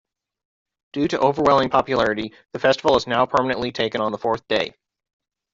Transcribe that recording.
Due to overwhelming popularity, the festival has now permanently taken on the fourth day.